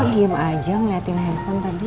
situation nya istri